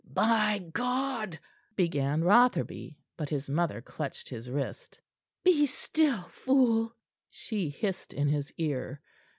"By God " began Rotherby, but his mother clutched his wrist. "Be still, fool!" she hissed in his ear.